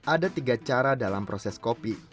ada tiga cara dalam proses kopi